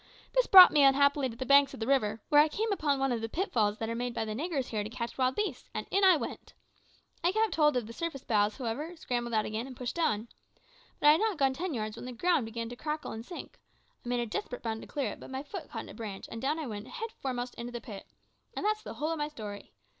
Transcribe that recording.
This brought me, unhappily, to the banks of the river, where I came upon one of the pitfalls that are made by the niggers here to catch wild beasts, and in I went. I kept hold of the surface boughs, however, scrambled out again, and pushed on. But I had not gone ten yards when the ground began to crackle and sink. I made a desperate bound to clear it, but my foot caught in a branch, and down I went head foremost into the pit. And that's the whole of my story.